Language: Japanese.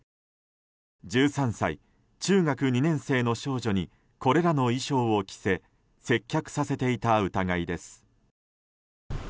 １３歳、中学２年生の少女にこれらの衣装を着せ接客させていた疑いです。